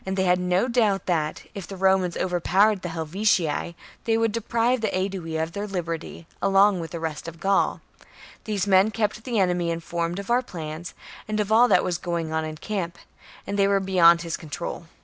c. they had no doubt that, if the Romans over powered the Helvetii, they would deprive the Aedui of their liberty, along with the rest of Gaul. These men kept the enemy informed of our plans, and of all that was going on in camp, and they were beyond his control.